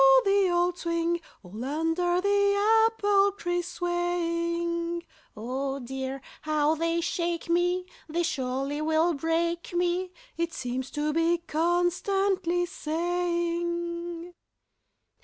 the old swing, All under the apple trees swaying: "Oh dear! how they shake me! They surely will break me!" It seems to be constantly saying.